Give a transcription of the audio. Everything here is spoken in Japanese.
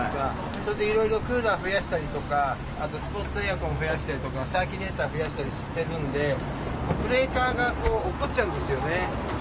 それでいろいろクーラー増やしたりとか、あとスポットエアコン増やしたりとか、サーキュレーター増やしたりとかしてるんで、ブレーカーがおっこっちゃうんですよね。